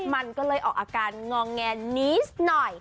มันก็เลยออกอาการงองแงนิดหน่อย